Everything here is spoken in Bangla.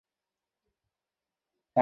বলো কী হয়েছে?